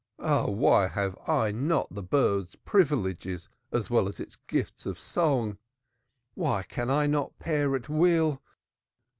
O why have I not the bird's privileges as well as its gift of song? Why can I not pair at will?